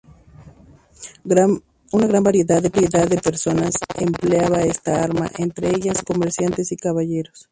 Una gran variedad de personas empleaba esta arma, entre ellas comerciantes y caballeros.